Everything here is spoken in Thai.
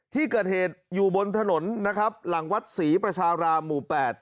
ที่เกิดเหตุอยู่บนถนนนะครับหลังวัดศรีประชารามหมู่๘